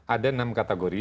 ada enam kategori